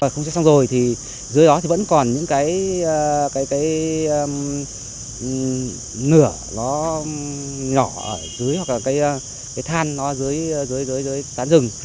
không cháy xong rồi thì dưới đó vẫn còn những cái nửa nó nhỏ ở dưới hoặc là cái than nó dưới tán rừng